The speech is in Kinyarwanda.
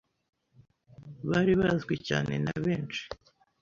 bari bazwi cyane na benshi